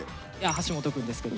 橋本くんですけど。